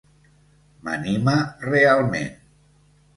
M'anima realment.